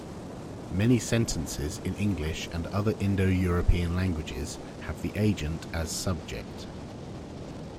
Many sentences in English and other Indo-European languages have the agent as subject.